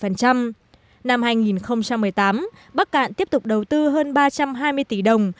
năm hai nghìn một mươi tám bắc cạn tiếp tục đầu tư hơn ba trăm hai mươi tỷ đồng